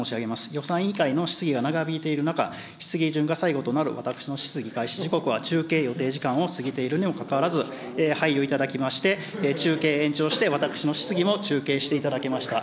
予算委員会の質疑が長引いている中、質疑順が最後となる私の質疑開始、時刻は中継予定時間を過ぎているにもかかわらず、配慮いただきまして、中継延長して、私の質疑も中継していただけました。